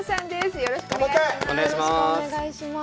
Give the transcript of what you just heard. よろしくお願いします。